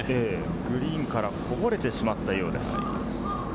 グリーンからこぼれてしまったようです。